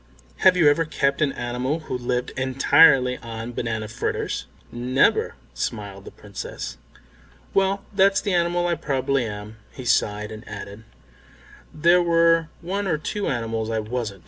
Have you ever kept any animal who lived entirely on banana fritters?" "Never," smiled the Princess. "Well, that's the animal I probably am." He sighed and added, "There were one or two animals I wasn't."